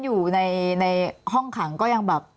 อยู่ในห้องขังก็ยังแบบ